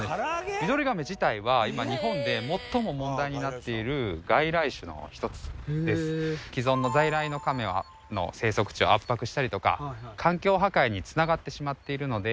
ミドリガメ自体は今日本で既存の在来のカメの生息地を圧迫したりとか環境破壊に繋がってしまっているので。